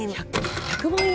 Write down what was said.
１００万円！？